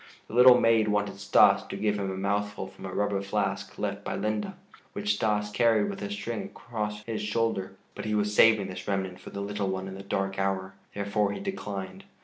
The little maid wanted Stas to give him a mouthful from a rubber flask left by Linde, which Stas carried with a string across his shoulder, but he was saving this remnant for the little one in the dark hour; therefore he declined.